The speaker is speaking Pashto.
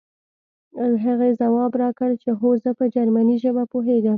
هغې ځواب راکړ چې هو زه په جرمني ژبه پوهېږم